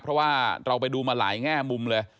เพราะว่าเราไปดูมาหลายแง่มุมเลย